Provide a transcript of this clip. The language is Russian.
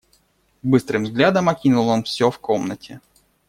Быстрым взглядом окинул он всё в комнате.